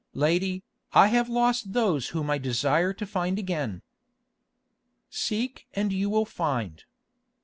Lady, I have lost those whom I desire to find again." "Seek and you will find."